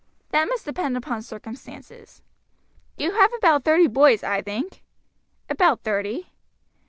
"That must depend upon circumstances." "You have about thirty boys, I think?" "About thirty."